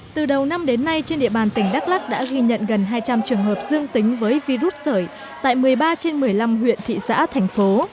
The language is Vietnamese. từ đầu năm đến nay trên địa bàn tỉnh đắk lắc đã ghi nhận gần hai trăm linh trường hợp dương tính với virus sởi tại một mươi ba trên một mươi năm huyện thị xã thành phố